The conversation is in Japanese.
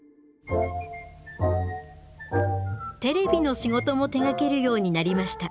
テレビの仕事も手がけるようになりました。